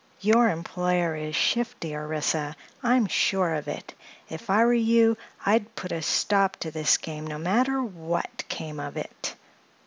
Your employer is shifty, Orissa; I'm sure of it; if I were you I'd put a stop to his game no matter what came of it."